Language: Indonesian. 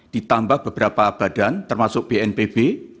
ditambah beberapa badan termasuk bnpb